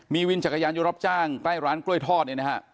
มีวินจักรยานยนต์รับจ้างใกล้ร้านกล้วยทอดเนี่ยนะฮะ